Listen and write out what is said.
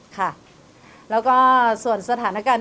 แล้วก็ส่วนสถานการณ์ที่เรามี